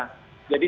jadi setiap kali